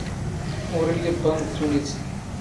ⵓⵔ ⵉⵍⵍⵉ ⴱⴱⴰ ⵏ ⴷⴷⵓⵏⵉⵜ